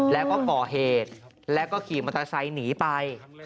แล้วก็ก่อเหตุแล้วก็ขี่มอเตอร์ไซค์หนีไป